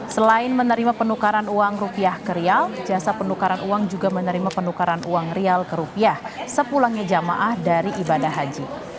selain menerima penukaran uang rupiah ke rial jasa penukaran uang juga menerima penukaran uang rial ke rupiah sepulangnya jamaah dari ibadah haji